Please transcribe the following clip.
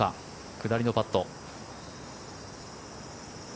下りのパット。